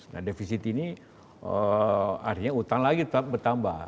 nah defisit ini artinya utang lagi tetap bertambah